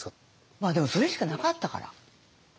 まあでもそれしかなかったから。